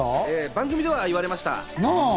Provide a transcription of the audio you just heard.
番組では言われました。